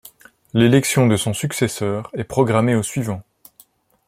L'élection de son successeur est programmée au suivant.